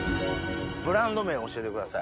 ブランド名を教えてください。